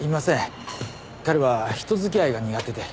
彼は人付き合いが苦手で。